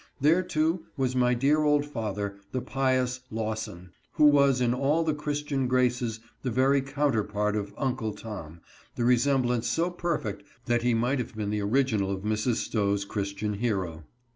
There, too, was my dear old father, the pious Lawson, who was in all the Chris tian graces the very counterpart of " Uncle Tom "— the resemblance so perfect that he might have been the original of Mrs. Stowe's Christian hero.